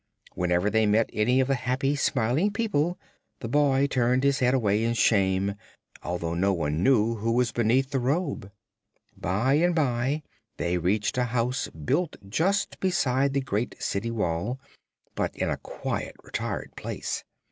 Whenever they met any of the happy, smiling people, the boy turned his head away in shame, although none knew who was beneath the robe. By and by they reached a house built just beside the great city wall, but in a quiet, retired place.